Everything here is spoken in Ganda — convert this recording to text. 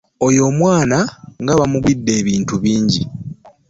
Oyo omwana nga bamugulide ebintu bingi.